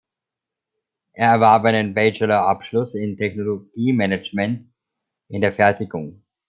Er erwarb einen Bachelorabschluss in Technologiemanagement in der Fertigung.